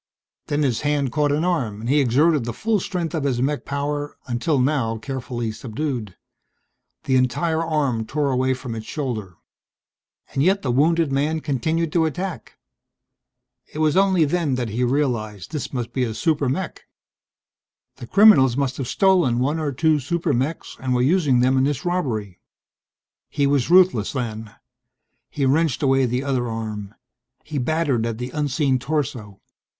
Then his hand caught an arm and he exerted the full strength of his mech power, until now carefully subdued. The entire arm tore away from its shoulder. And yet the wounded man continued to attack. It was only then that he realized this must be a super mech. The criminals must have stolen one or two super mechs and were using them in this robbery. He was ruthless, then. He wrenched away the other arm. He battered at the unseen torso.